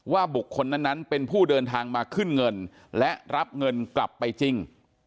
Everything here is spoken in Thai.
บุคคลนั้นเป็นผู้เดินทางมาขึ้นเงินและรับเงินกลับไปจริง